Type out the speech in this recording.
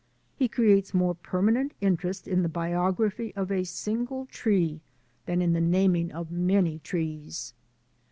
He creates more permanent in terest in the biography of a single tree than in the naming of many trees.